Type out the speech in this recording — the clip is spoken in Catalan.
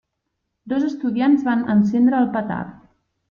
Dos estudiants van encendre el petard.